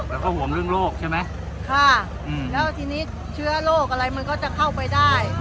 แล้วก็ห่วงเรื่องโรคใช่ไหมค่ะอืมแล้วทีนี้เชื้อโรคอะไรมันก็จะเข้าไปได้